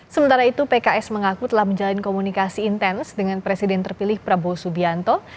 sementara itu pks mengaku telah menjalin komunikasi intens dengan presiden terpilih prabowo subianto